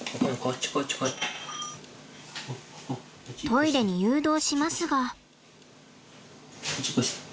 トイレに誘導しますが。